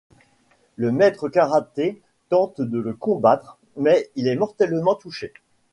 Le Maître Karaté tente de le combattre mais il est mortellement touché.